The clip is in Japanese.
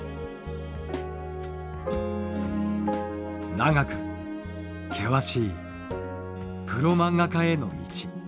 長く険しいプロ漫画家への道。